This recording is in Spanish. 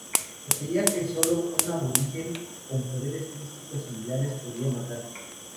Se creía que solo un aborigen con poderes místicos similares podía matarlo.